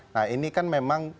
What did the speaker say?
nah ini kan memang